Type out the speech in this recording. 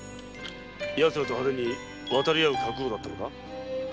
ヤツらと派手に渡りあう覚悟だったのか？